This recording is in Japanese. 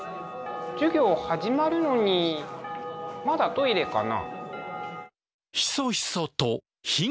授業始まるのにまだトイレかな